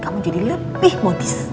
kamu jadi lebih modis